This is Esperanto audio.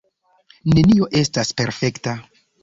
Nenio estas perfekta.